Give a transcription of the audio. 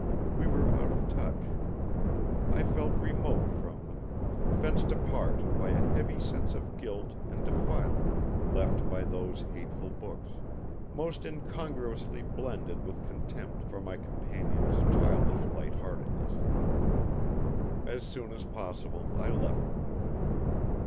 We were out of touch. I felt remote from them; fenced apart by a heavy sense of guilt and defilement left by those hateful books, most incongruously blended with contempt for my companions' childish light heartedness. As soon as possible, I left them.